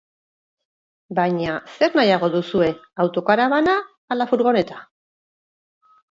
Baina zer nahiago duzue autocaravana ala furgoneta.